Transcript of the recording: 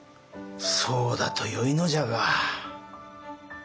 そうだとよいのじゃが。